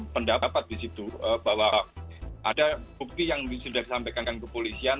pendapat di situ bahwa ada bukti yang sudah disampaikan ke polisian